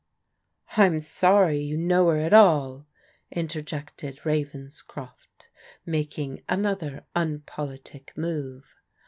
" I'm sorry you know her at all," interjected Ravens croft, making another unpolitic move.